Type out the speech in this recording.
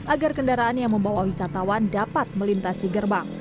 agar kendaraan yang membawa wisatawan dapat melintasi gerbang